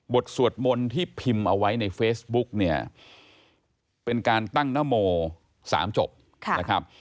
สวดมนต์ที่พิมพ์เอาไว้ในเฟซบุ๊กเนี่ยเป็นการตั้งนโม๓จบนะครับ